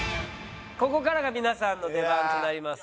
ここからが皆さんの出番となります。